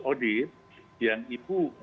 odip yang ibu